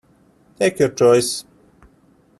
Take your choice!